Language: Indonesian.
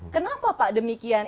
kenapa pak demikian